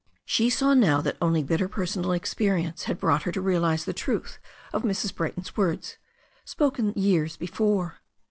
She saw now that only bitter personal experience had brought her to realize the truth of Mrs. Brayton's words, spoken years before.